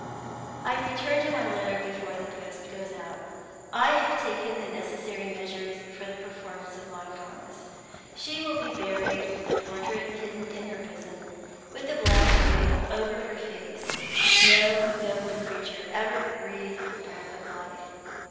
"I return to my letter before the post goes out. "I have taken the necessary measures for the performance of my promise. She will be buried with the portrait hidden in her bosom, and with the black veil over her face. No nobler creature ever breathed the breath of life.